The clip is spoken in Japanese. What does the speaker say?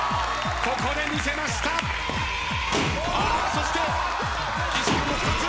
そして岸君も２つ！